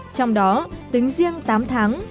trong đó tính riêng tám tháng